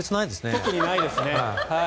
特にないですね。